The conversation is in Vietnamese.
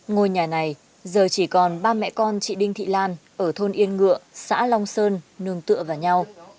ngôi nhà này giờ chỉ còn ba mẹ con chị đinh thị lan ở thôn yên ngựa xã long sơn nương tựa vào nhau